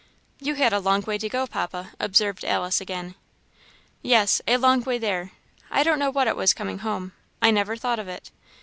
"You had a long way to go, Papa," observed Alice, again. "Yes a long way there I don't know what it was coming home; I never thought of it.